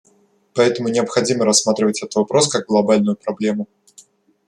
Поэтому необходимо рассматривать этот вопрос как глобальную проблему.